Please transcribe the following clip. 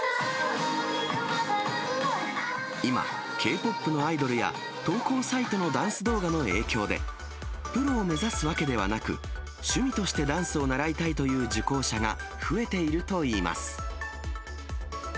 今、Ｋ−ＰＯＰのアイドルや、投稿サイトのダンス動画の影響で、プロを目指すわけではなく、趣味としてダンスを習いたいという受講者が増えているといいます。